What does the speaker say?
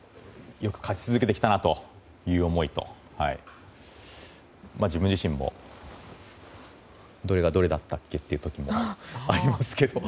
よく勝ち続けてきたなという思いと自分自身も、どれがどれだっけっていうのもありますけど。